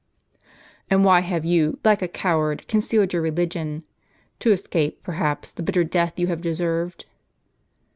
"And why have you, like a coward, concealed your religion? To escape, perhaps, the bitter death you have deserved